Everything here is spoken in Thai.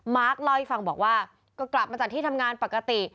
เล่าให้ฟังบอกว่าก็กลับมาจากที่ทำงานปกติ